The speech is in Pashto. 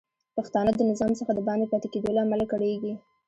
پښتانه د نظام څخه د باندې پاتې کیدو له امله کړیږي